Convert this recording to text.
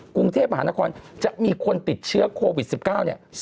กรุงเทพมหานครจะมีคนติดเชื้อโควิด๑๙เนี่ย